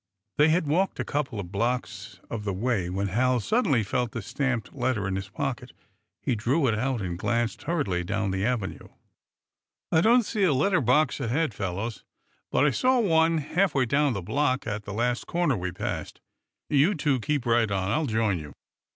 They had walked a couple of blocks of the way when Hal suddenly felt the stamped letter in his pocket. He drew it out, and glanced hurriedly down the avenue. "I don't see a letter box ahead, fellows, but I saw one, half way down the block, at the last corner we passed. You two keep right on. I'll join you."